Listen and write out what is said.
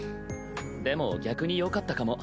でも逆によかったかも。